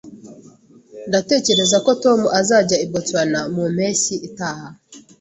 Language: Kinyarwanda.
Ndatekereza ko Tom azajya i Boston mu mpeshyi itaha